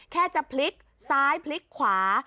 แค่จะพลิกซ้ายพลิกขวา